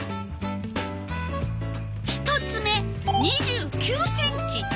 １つ目２９ｃｍ。